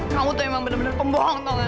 kamu tuh emang bener bener pembohong tau nggak